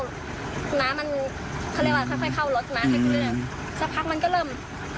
น้ำมันทะเลวัลค่อยเข้ารถน้ำมันก็เริ่ม